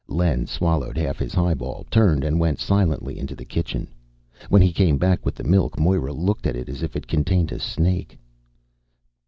Len swallowed half his highball, turned and went silently into the kitchen. When he came back with the milk, Moira looked at it as if it contained a snake.